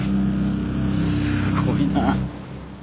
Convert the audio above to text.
すごいな。